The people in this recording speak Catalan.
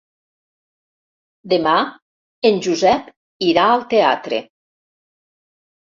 Demà en Josep irà al teatre.